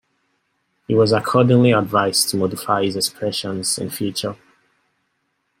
He was accordingly advised to modify his expressions in future.